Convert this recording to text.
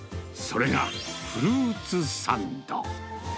それがフルーツサンド。